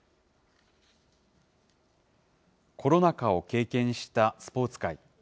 コロナ禍を経験したスポーツ界。